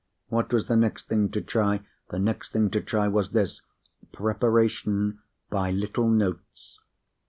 What was the next thing to try? The next thing to try was—Preparation by Little Notes.